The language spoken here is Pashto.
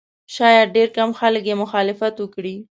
شاید ډېر کم خلک یې مخالفت وکړي.